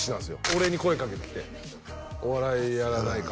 俺に声かけてきてお笑いやらないか？